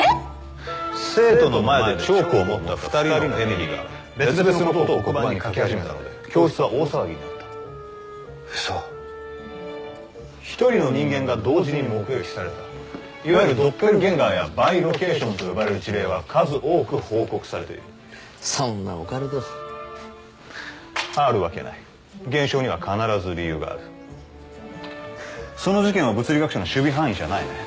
生徒の前でチョークを持った２人のエミリーが別々のことを黒板に書き始めたので教室は大騒ぎになったウソ１人の人間が同時に目撃されたいわゆるドッペルゲンガーやバイロケーションと呼ばれる事例は数多く報告されているそんなオカルトあるわけない現象には必ず理由があるその事件は物理学者の守備範囲じゃないね